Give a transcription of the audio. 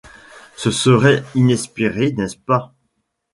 Ce serait inespéré, n’est-ce pas ?